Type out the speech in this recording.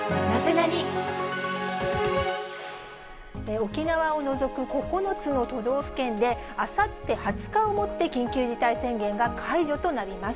沖縄を除く９つの都道府県で、あさって２０日をもって、緊急事態宣言が解除となります。